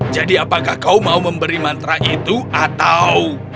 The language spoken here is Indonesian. jadi apakah kau mau memberi mantra itu atau